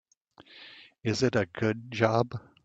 Is it a good job?